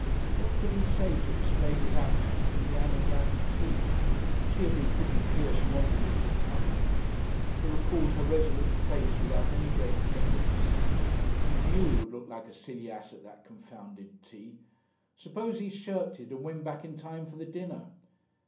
What could he say to explain his absence from the Anagram Tea? She had been pretty clear she wanted him to come. He recalled her resolute face without any great tenderness. He knew he would look like a silly ass at that confounded tea! Suppose he shirked it and went back in time for the dinner!